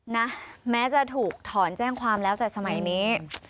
นะแม้จะถูกถอนแจ้งความแล้วแต่สมัยนี้